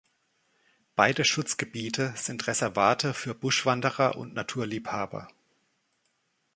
Beide Schutzgebiete sind Reservate für Buschwanderer und Naturliebhaber.